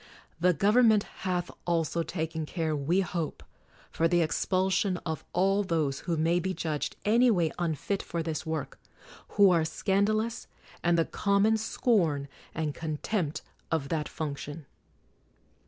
The government hath also taken care, we hope, for the expulsion of all those who may be judged any way unfit for this 130 CROMWELL work ; who are scandalous, and the common scorn and contempt of that function.